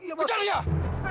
eh jangan lari